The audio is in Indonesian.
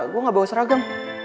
gue gak bawa seragam